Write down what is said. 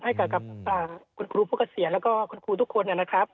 ให้กับคุณครูผู้เกษียณแล้วก็คุณครูทุกคนนะครับ